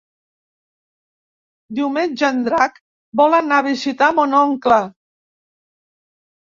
Diumenge en Drac vol anar a visitar mon oncle.